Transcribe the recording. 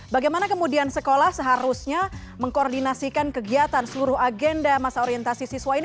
bagaimana kemudian sekolah seharusnya mengkoordinasikan kegiatan seluruh agenda masa orientasi siswa ini